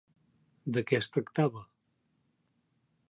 De què es tractava?